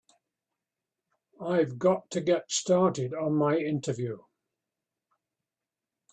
I've got to get started on my interview.